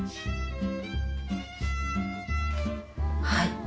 はい。